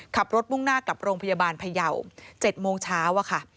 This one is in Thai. ขับรถมุ่งหน้ากลับโรงพยาบาลพยาว๗โมงเช้า